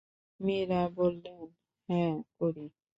মীরা বললেন, হ্যাঁ, করি।